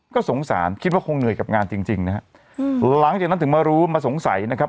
ก็สงสารคิดว่าคงเหนื่อยกับงานจริงจริงนะฮะหลังจากนั้นถึงมารู้มาสงสัยนะครับ